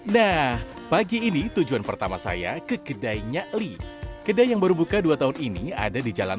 nah pagi ini tujuan pertama saya ke kedai nyakli kedai yang baru buka dua tahun ini ada di jalan